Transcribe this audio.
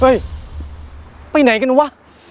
เฮ้ยไปไหนกันวะ